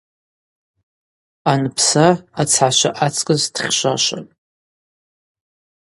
Анпса ацхӏашвы ацкӏыс дхьшвашвапӏ.